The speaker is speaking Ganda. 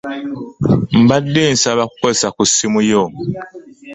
Mbadde nsaba kukozesa ku simu yo.